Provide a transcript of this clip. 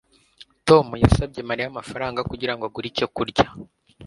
tom yasabye mariya amafaranga kugirango agure icyo kurya